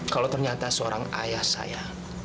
kalau ternyata seorang ayah saya